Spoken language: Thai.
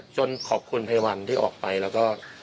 จนขอบคุณพยาบาลที่ออกไปแล้วก็